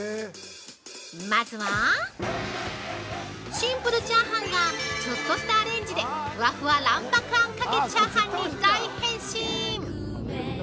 まずはシンプルチャーハンがちょっとしたアレンジでふわふわ卵白あんかけチャーハンに大変身！